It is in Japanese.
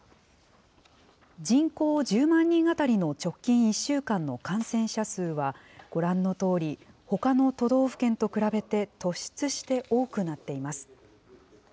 人口１０万人当たりの直近１週間の感染者数は、ご覧のとおり、ほかの都道府県と比べて突出して多くなっています。